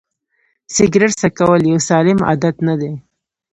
سیګرېټ څکول یو سالم عادت نه دی.